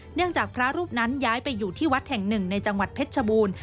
จากพระรูปนั้นย้ายไปอยู่ที่วัดแห่งหนึ่งในจังหวัดเพชรชบูรณ์